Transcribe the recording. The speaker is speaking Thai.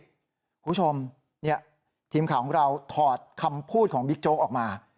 คุณผู้ชมทีมข่าวของเราถอดคำพูดของบิ๊กโจ๊กออกมา